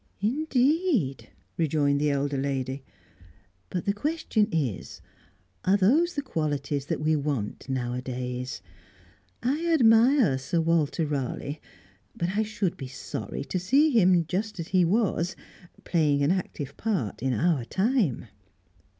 "Indeed?" rejoined the elder lady. "But the question is: Are those the qualities that we want nowadays? I admire Sir Walter Raleigh, but I should be sorry to see him, just as he was, playing an active part in our time."